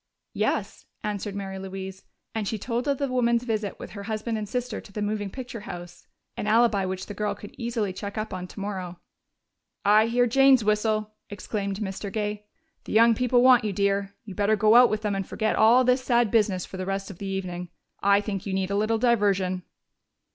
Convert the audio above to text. "Yes," answered Mary Louise, and she told of the woman's visit, with her husband and sister, to the moving picture house an alibi which the girl could easily check up on tomorrow. "I hear Jane's whistle!" exclaimed Mr. Gay. "The young people want you, dear. You better go out with them and forget all this sad business for the rest of the evening. I think you need a little diversion."